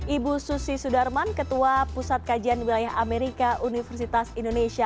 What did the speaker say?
ibu susi sudarman ketua pusat kajian wilayah amerika universitas indonesia